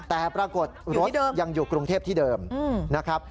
แต่ปรากฏรถยังอยู่กรุงเทพที่เดิมนะครับ